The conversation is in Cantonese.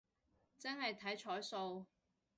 真係睇彩數